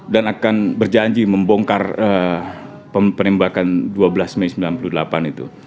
dan akan berjanji membongkar penembakan dua belas mei seribu sembilan ratus sembilan puluh delapan itu